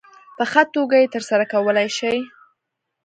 په ښه توګه یې ترسره کولای شي.